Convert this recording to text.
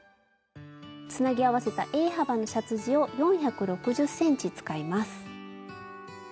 つなぎ合わせたＡ幅のシャツ地を４６０ｃｍ使います。